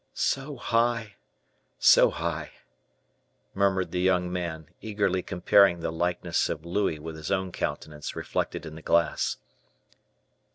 "So high! so high!" murmured the young man, eagerly comparing the likeness of Louis with his own countenance reflected in the glass.